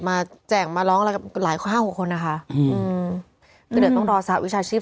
มาแจ่งมาร้องอะไรฮะหลายห้านหกคนนะคะอืมอืมแต่เดี่ยวก็ต้องรอศาสตร์วิชาชีพ